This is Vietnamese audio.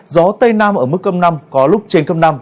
gió tây nam ở mức cơm năm có lúc trên cơm năm